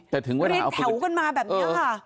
แถวกันมาแบบนี้ค่ะ